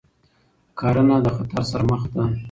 کرنه له خطر سره مخ ده.